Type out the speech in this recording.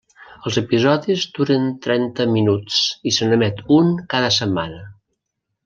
Els episodis duren trenta minuts i se n'emet un cada setmana.